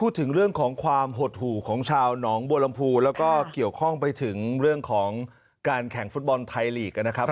พูดถึงเรื่องของความหดหู่ของชาวหนองบัวลำพูแล้วก็เกี่ยวข้องไปถึงเรื่องของการแข่งฟุตบอลไทยลีกนะครับ